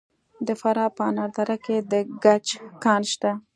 د فراه په انار دره کې د ګچ کان شته.